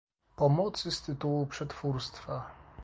pomocy z tytułu przetwórstwa,